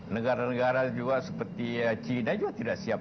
negara negara juga seperti china juga tidak siap